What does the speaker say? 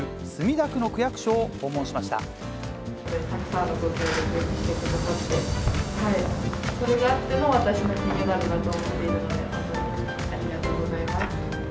たくさんのご協力をしてくださって、それがあっての私の金メダルだと思っているので、本当にありがとうございます。